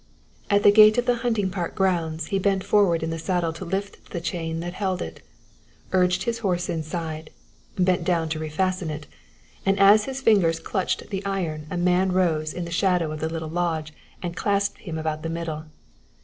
At the gate of the hunting park grounds he bent forward in the saddle to lift the chain that held it; urged his horse inside, bent down to refasten it, and as his fingers clutched the iron a man rose in the shadow of the little lodge and clasped him about the middle.